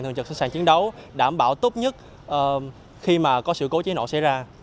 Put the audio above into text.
thường trực sẵn sàng chiến đấu đảm bảo tốt nhất khi mà có sự cố cháy nổ xảy ra